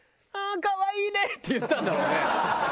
可愛いね！」って言ったんだろうね。